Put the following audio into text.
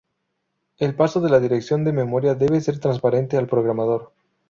El paso de la dirección de memoria debe ser transparente al programador.